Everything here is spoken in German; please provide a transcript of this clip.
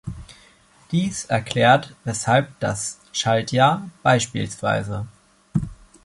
Dies erklärt, weshalb das Schaltjahr bspw.